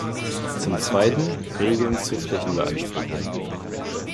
Zum zweiten, Regeln zur Flächenbeanspruchung.